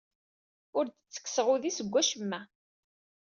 Ur d-ttekkseɣ udi seg wacemma.